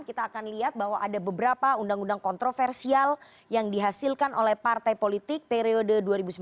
kita akan lihat bahwa ada beberapa undang undang kontroversial yang dihasilkan oleh partai politik periode dua ribu sembilan belas dua ribu dua puluh